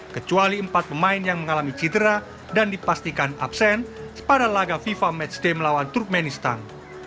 kecuali empat pemain yang mengalami cedera dan dipastikan absen pada laga fifa matchday melawan turkmenistan